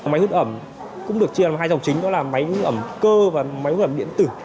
máy hút ẩm cũng được chia vào hai dòng chính đó là máy hút ẩm cơ và máy hút ẩm điện tử